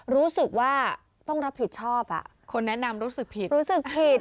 รู้สึกว่าต้องรับผิดชอบอ่ะคนแนะนำรู้สึกผิดรู้สึกผิด